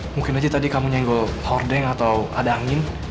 mungkin aja tadi kamu nyenggol hordeng atau ada angin